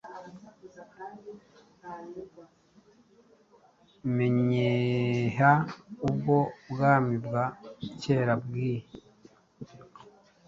Menyeha ubwo Bwami bwa kera bwii,